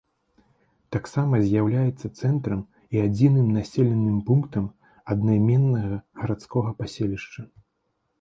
Таксама з'яўляецца цэнтрам і адзіным населеным пунктам аднайменнага гарадскога паселішча.